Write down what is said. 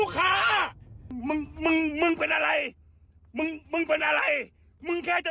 คุณป่วยเหรอเดี๋ยว